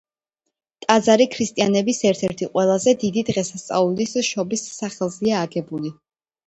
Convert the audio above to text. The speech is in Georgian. ტაძარი ქრისტიანების ერთ-ერთი ყველაზე დიდი დღესასწაულის შობის სახელზეა აგებული.